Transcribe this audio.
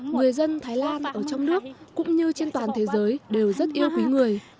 người dân thái lan ở trong nước cũng như trên toàn thế giới đều rất yêu quý người